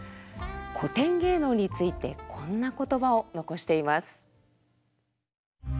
古典芸能についてこんな言葉を残しています。